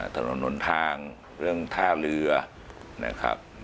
ถนนหนทางเรื่องท่าเรือนะครับ